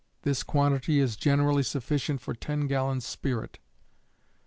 This quantity is generally sufficient for 10 gallons spirit.